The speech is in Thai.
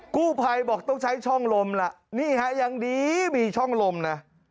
กู้ภัยบอกต้องใช้ช่องลมล่ะนี่ฮะยังดีมีช่องลมนะ